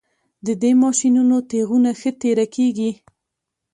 د دې ماشینونو تیغونه ښه تیره کیږي